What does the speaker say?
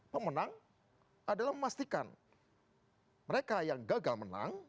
pemenang adalah memastikan mereka yang gagal menang